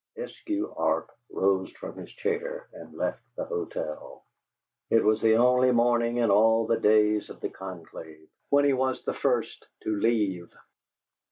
Eskew Arp rose from his chair and left the hotel. It was the only morning in all the days of the conclave when he was the first to leave.